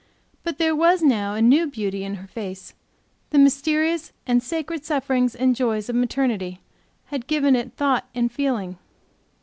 But there was now a new beauty in her face; the mysterious and sacred sufferings and joys of maternity had given it thought and feeling.